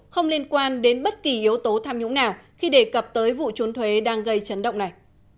không liên quan đến bất kỳ yếu tố tham nhũng nào khi đề cập tới vụ trốn thuế đang gây chấn động này